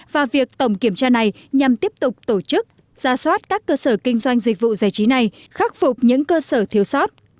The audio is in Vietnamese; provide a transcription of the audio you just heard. và việc tổng kiểm tra này nhằm tiếp tục tổ chức ra soát các cơ sở kinh doanh dịch vụ giải trí này khắc phục những cơ sở thiếu sót